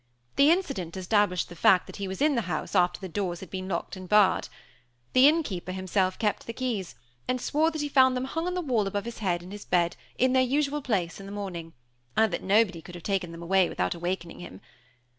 This incident established the fact that he was in the house after the doors had been locked and barred. The inn keeper himself kept the keys, and swore that he found them hung on the wall above his head, in his bed, in their usual place, in the morning; and that nobody could have taken them away without awakening him.